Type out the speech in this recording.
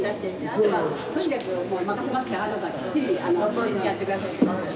あとはとにかくもう任せますから安藤さんきっちりやって下さい。